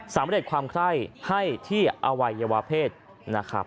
สำเร็จความไคร้ให้ที่อวัยวะเพศนะครับ